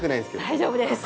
大丈夫です。